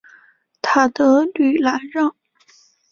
塔德吕兰让。